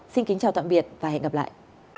xin kính chào tạm biệt và hẹn gặp lại